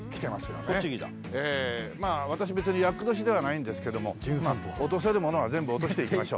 「まあ私別に厄年ではないんですけどもまあ落とせるものは全部落としていきましょう」